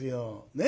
ねえ！